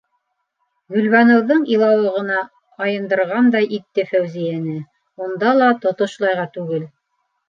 Гөлбаныуҙың илауы ғына айындырғандай итте Фәүзиәне, унда ла тотошлайға гүгел.